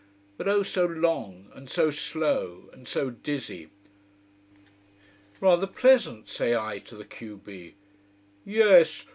But oh, so long, and so slow, and so dizzy. "Rather pleasant!" say I to the q b. "Yes.